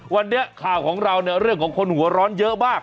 วันเดี๋ยวข่าวของเราเรื่องของคนหัวร้อนเยอะมาก